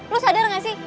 lo sadar gak sih